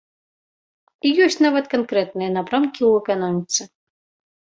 І ёсць нават канкрэтныя напрамкі ў эканоміцы.